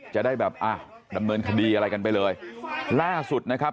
จะได้แบบอ่ะดำเนินคดีอะไรกันไปเลยล่าสุดนะครับ